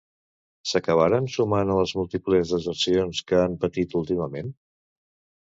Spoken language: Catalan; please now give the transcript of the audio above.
S'acabaran sumant a les múltiples desercions que han patit últimament?